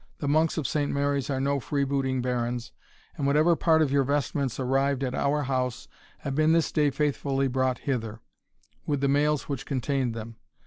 The monks of Saint Mary's are no free booting barons, and whatever part of your vestments arrived at our house, have been this day faithfully brought hither, with the mails which contained them.